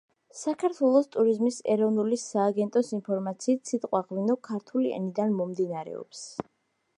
საქართველოს ტურიზმის ეროვნული სააგენტოს ინფორმაციით, სიტყვა „ღვინო“ ქართული ენიდან მომდინარეობს.